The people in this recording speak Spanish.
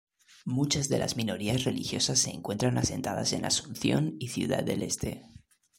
Muchas de las minorías religiosas se encuentran asentadas en Asunción y Ciudad del Este.